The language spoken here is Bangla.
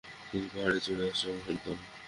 তিনি পাহাড়ের চূড়ায় আশ্রয় গ্রহণ করেন।